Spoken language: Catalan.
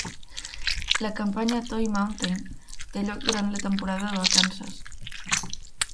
La campanya Toy Mountain té lloc durant la temporada de vacances.